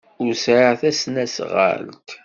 Ur sɛiɣ tasnasɣalt.